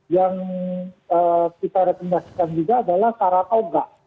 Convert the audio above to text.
yang kita rekomendasi kan juga adalah cara atau enggak